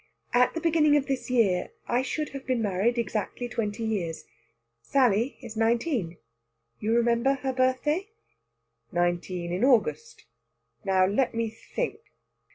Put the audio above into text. At the beginning of this year I should have been married exactly twenty years. Sally is nineteen you remember her birthday?" "Nineteen in August. Now, let me think!"